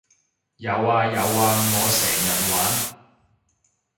有呀有呀我成日玩